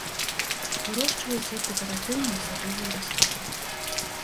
Вырошчваюць як дэкаратыўную садовую расліну.